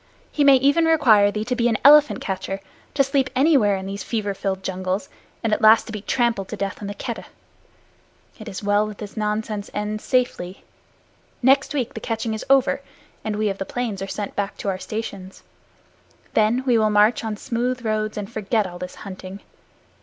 He may even require thee to be an elephant catcher, to sleep anywhere in these fever filled jungles, and at last to be trampled to death in the Keddah. It is well that this nonsense ends safely. Next week the catching is over, and we of the plains are sent back to our stations. Then we will march on smooth roads, and forget all this hunting.